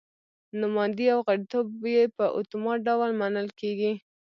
نوماندي او غړیتوب یې په اتومات ډول منل کېږي.